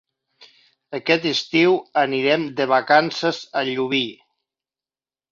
Aquest estiu anirem de vacances a Llubí.